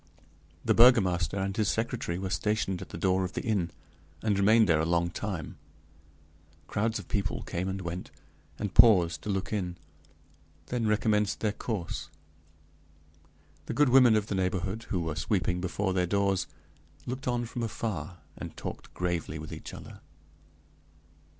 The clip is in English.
The burgomaster and his secretary were stationed at the door of the inn, and remained there a long time; crowds of people came and went, and paused to look in; then recommenced their course. The good women of the neighborhood, who were sweeping before their doors, looked on from afar, and talked gravely with each other.